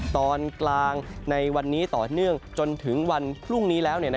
ตอนกลางในวันนี้ต่อเนื่องจนถึงวันพรุ่งนี้แล้ว